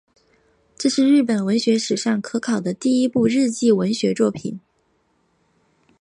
这是日本文学史上可考的第一部日记文学作品。